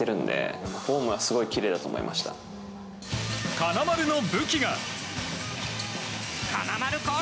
金丸の武器が。